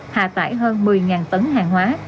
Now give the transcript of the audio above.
hạ tải hơn một mươi tấn hàng hóa